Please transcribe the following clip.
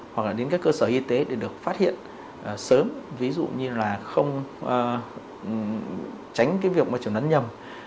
hoặc là đến các cơ sở y tế để được phát hiện sớm ví dụ như là không tránh cái việc mà chuẩn đoán nhầm